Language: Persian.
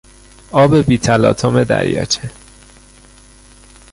آب بی تلاطم دریاچه